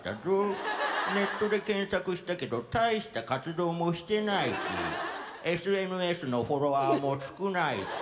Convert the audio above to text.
ネットで検索したけど大した活動もしてないしＳＮＳのフォロワーも少ないし。